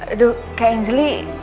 aduh kayak yang jelih